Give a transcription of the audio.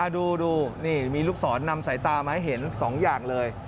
ดูนี่มีลูกศรนำสายตามาให้เห็น๒อย่างเลย